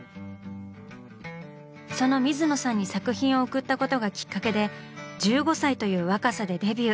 その水野さんに作品を送ったことがきっかけで１５歳という若さでデビュー！